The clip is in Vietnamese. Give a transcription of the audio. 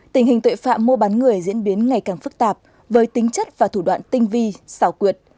tình hình tội phạm mua bán người diễn biến ngày càng phức tạp với tính chất và thủ đoạn tinh vi xảo quyệt